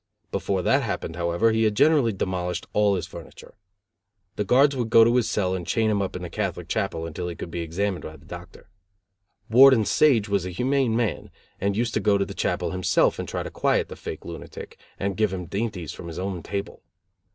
Before that happened, however, he had generally demolished all his furniture. The guards would go to his cell, and chain him up in the Catholic chapel until he could be examined by the doctor. Warden Sage was a humane man, and used to go to the chapel himself and try to quiet the fake lunatic, and give him dainties from his own table.